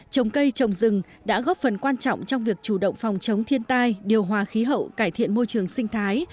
trồng cây trồng rừng đã góp phần quan trọng trong việc chủ động phòng chống thiên tai điều hòa khí hậu cải thiện môi trường sinh thái